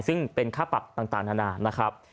ซึ่งเป็นค่าปรับต่างนานา